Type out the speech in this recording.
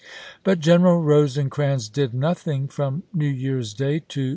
But General Rose crans did nothing from New Year's Day to 1863.